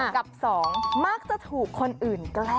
กับสองมักจะถูกคนอื่นแกล้ง